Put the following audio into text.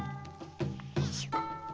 よいしょ。